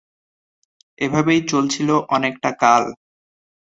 এভাবেই চলেছিল অনেকটা কাল।